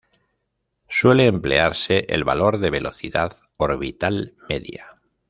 Suele emplearse el valor de velocidad orbital media.